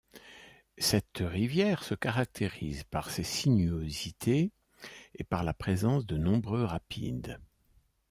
Cette rivière se caractérise par ses sinuosités et par la présence de nombreux rapides.